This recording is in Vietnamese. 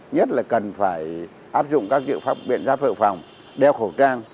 nhất là cần phải áp dụng các dự pháp biện giáp hợp phòng đeo khẩu trang